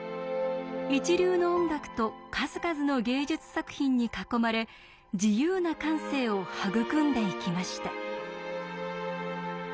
一流の音楽と数々の芸術作品に囲まれ自由な感性を育んでいきました。